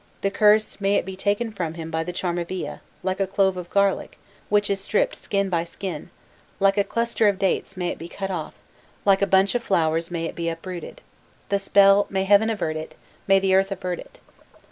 The curse, may it be taken from him by the charm of Ea, like a clove of garlic which is stripped skin by skin, like a cluster of dates may it be cut off, like a bunch of flowers may it be uprooted! The spell, may heaven avert it, may the earth avert it!"